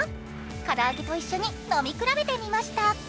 からあげと一緒に飲み比べてみました。